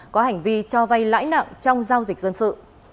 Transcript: có hành vi cho vay lãi nặng trong giao dịch dân sự